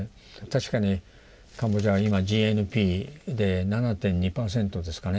確かにカンボジアは今ＧＮＰで７．２％ですかね。